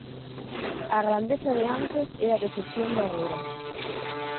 A grandeza de antes é a decepción de agora.